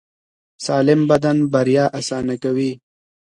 سالم بدن بریا اسانه کوي.